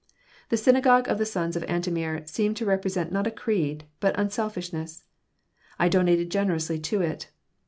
The Synagogue of the Sons of Antomir seemed to represent not a creed, but unselfishness. I donated generously to it.